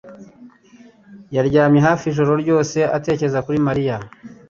yaryamye hafi ijoro ryose atekereza kuri Mariya.